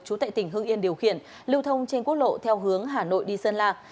trú tại tỉnh hương yên điều khiển lưu thông trên quốc lộ theo hướng hà nội đi sơn lạc